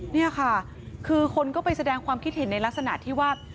นี่ค่ะคือคนก็ไปแสดงความคิดเห็นในลักษณะที่ว่า